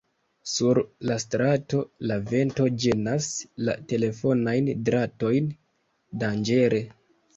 Sur la strato, la vento ĝenas la telefonajn dratojn danĝere.